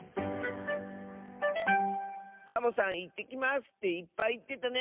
サボさん「いってきます」っていっぱいいってたね。